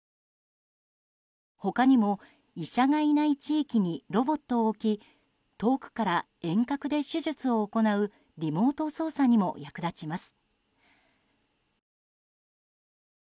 他にも医者がいない地域にロボットを置き遠くから遠隔で手術を行うリモート操作にも役立ちます。